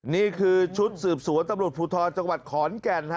นี่คือชุดสืบสวนตำรวจภูทรจังหวัดขอนแก่น